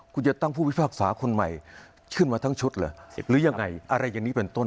คุณจะตั้งผู้พิพากษาคนใหม่ขึ้นมาทั้งชุดเหรอหรือยังไงอะไรอย่างนี้เป็นต้น